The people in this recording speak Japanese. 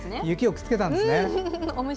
雪をくっつけたんですね。